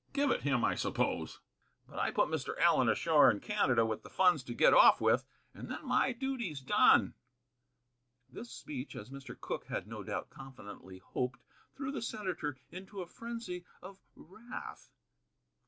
Give it him, I suppose. But I put Mr. Allen ashore in Canada, with the funds to get off with, and then my duty's done." This speech, as Mr. Cooke had no doubt confidently hoped, threw the senator into a frenzy of wrath.